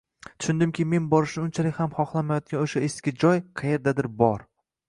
Tushundimki, men borishni unchalik ham xohlamayotgan oʻsha “eski joy” qayerdadir bor.